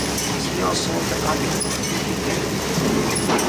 Steele sold the copy for fifty guineas.